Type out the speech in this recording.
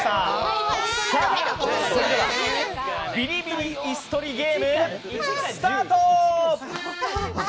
それでは「ビリビリイス取りゲーム」スタート。